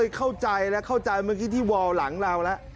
เข้าใจแล้วเข้าใจเมื่อกี้ที่วอลหลังเราแล้ว